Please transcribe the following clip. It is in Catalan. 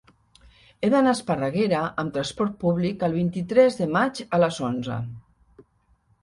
He d'anar a Esparreguera amb trasport públic el vint-i-tres de maig a les onze.